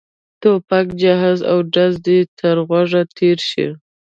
ټوپک جهاز او ډز دې تر غوږو تېر شي.